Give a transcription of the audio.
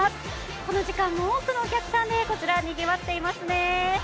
この時間も多くのお客さんでこちら、にぎわっていますね。